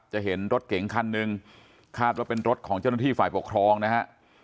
เห็นรถเก๋งคันหนึ่งคาดว่าเป็นรถของเจ้าหน้าที่ฝ่ายปกครองนะฮะ